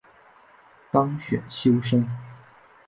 当选修生